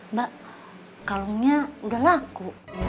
mbak kalungnya udah laku